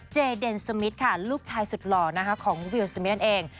เจเดนสมิทลูกชายสุดหล่อของวิวสมิทนั่นเอง